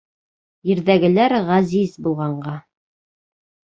Ерҙәгеләр ғәзиз булғанға.